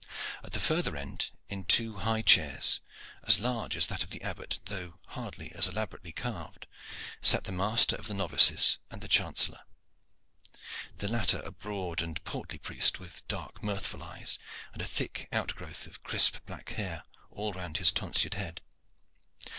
At the further end, in two high chairs as large as that of the Abbot, though hardly as elaborately carved, sat the master of the novices and the chancellor, the latter a broad and portly priest, with dark mirthful eyes and a thick outgrowth of crisp black hair all round his tonsured head.